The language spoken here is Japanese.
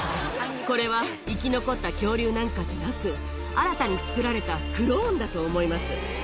これは、生き残った恐竜なんかじゃなく、新たに作られたクローンだと思います。